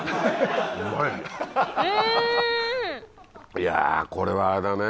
いやこれはあれだね。